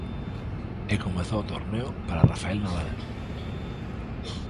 E comezou o torneo para Rafael Nadal.